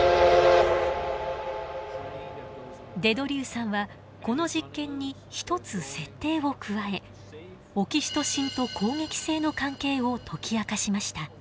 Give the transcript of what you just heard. デ・ドリューさんはこの実験に１つ設定を加えオキシトシンと攻撃性の関係を解き明かしました。